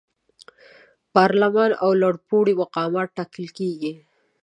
پارلمان او لوړپوړي مقامات ټاکل کیږي.